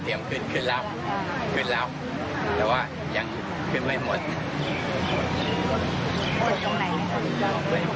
ทำไหนก้นตะ